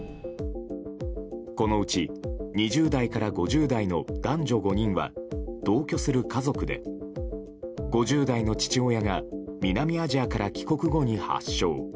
このうち２０代から５０代の男女５人は同居する家族で５０代の父親が南アジアから帰国後に発症。